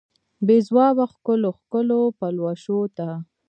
بې ځوابه ښکلو، ښکلو پلوشو ته